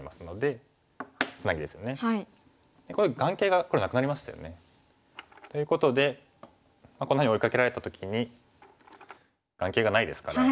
これ眼形が黒なくなりましたよね。ということでこんなふうに追いかけられた時に眼形がないですから。